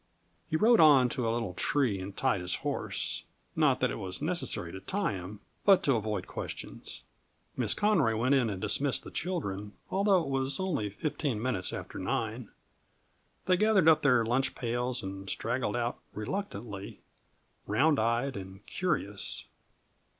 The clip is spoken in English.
He rode on to a little tree and tied his horse not that it was necessary to tie him, but to avoid questions. Miss Conroy went in and dismissed the children, although it was only fifteen minutes after nine. They gathered up their lunch pails and straggled out reluctantly, round eyed, and curious.